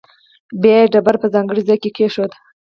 بیا یې ډبره په ځانګړي ځاې کې کېښوده.